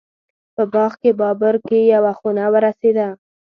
په باغ بابر کې یوه خونه ورسېده.